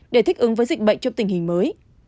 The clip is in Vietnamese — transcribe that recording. để thích ứng với dịch bệnh trong tình hình mới